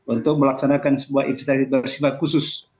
untuk melaksanakan sebuah instansi bersifat khusus